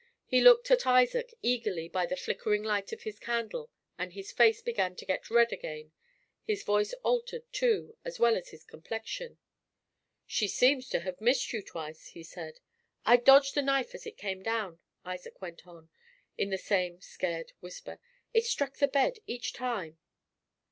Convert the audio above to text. He looked at Isaac eagerly by the flickering light of his candle, and his face began to get red again; his voice altered, too, as well as his complexion. "She seems to have missed you twice," he said. "I dodged the knife as it came down," Isaac went on, in the same scared whisper. "It struck the bed each time."